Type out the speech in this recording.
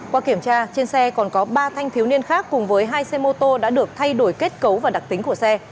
qua kiểm tra trên xe còn có ba thanh thiếu niên khác cùng với hai xe mô tô đã được thay đổi kết cấu và đặc tính của xe